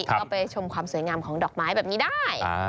ก็ไปชมความสวยงามของดอกไม้แบบนี้ได้